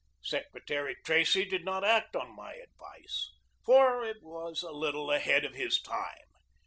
Secretary Tracy did not act on my advice, for it was a little ahead of his time.